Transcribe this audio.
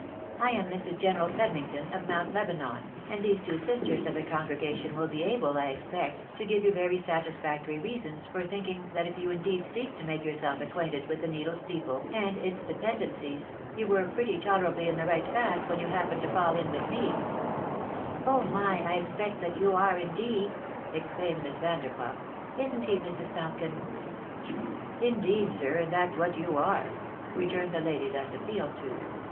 " I am Mrs. General Pedmington, of Mount Lebanon, and these two sisters of the con gregation will be able, I expect, to give you very satisfactory reasons for thinking that if you indeed seek to make yourself acquainted with the Needle Steeple and its dependencies, you were pretty tolerably in the right path, when you happened to fall in with me." THE MAJOR IN HIS CLERICAL CHAE/lCTKR. 321 " Oh, my ! I expect that you are, indeed !" exclaimed Miss Vanderpuflf; "isn't he, Mrs. Tomkins? " "Indeed, sir, and that's what you are," returned the lady thus appealed to.